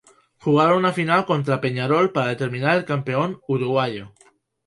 Jugaron una final contra Peñarol para determinar el campeón uruguayo.